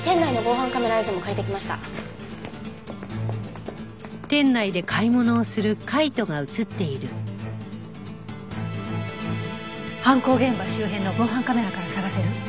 犯行現場周辺の防犯カメラから捜せる？